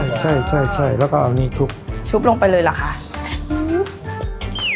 ใช่ใช่ใช่ใช่ใช่แล้วก็เอานี่ชุบชุบลงไปเลยล่ะค่ะ